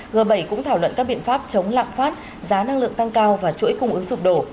g bảy cũng thảo luận các biện pháp chống lạm phát giá năng lượng tăng cao và chuỗi cung ứng sụp đổ